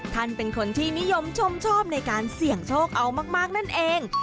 ท่านเป็นคนที่นิยมชมชอบในการเสี่ยงโชคเอามากนั่นเอง